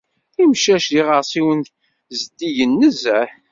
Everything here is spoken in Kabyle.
Imcac d iɣersiwen zeddigen nezzeh.